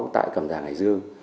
tại cầm giang hải dương